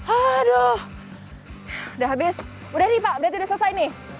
aduh udah habis udah nih pak berarti udah selesai nih